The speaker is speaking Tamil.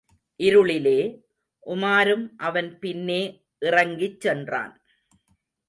இருளிலே, உமாரும் அவன் பின்னே இறங்கிச் சென்றான்.